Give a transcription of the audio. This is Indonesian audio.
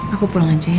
aku pulang aja ya